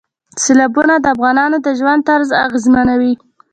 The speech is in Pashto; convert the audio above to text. سیلابونه د افغانانو د ژوند طرز اغېزمنوي.